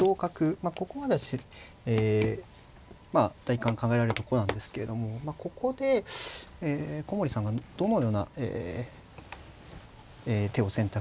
ここまでは第一感考えられるとこなんですけれどもここで古森さんがどのような手を選択するかですね。